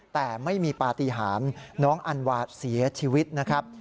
แต่ไม่มีปฏิหารน้องอันวาเสียชีวิตนะครับ